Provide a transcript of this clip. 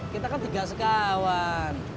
kita kan tiga sekawan